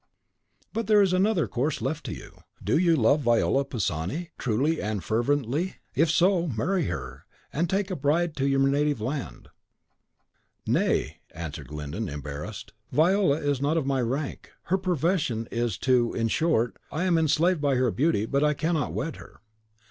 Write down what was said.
"But there is another course left to you: do you love Viola Pisani truly and fervently? if so, marry her, and take a bride to your native land." "Nay," answered Glyndon, embarrassed; "Viola is not of my rank. Her profession, too, is in short, I am enslaved by her beauty, but I cannot wed her."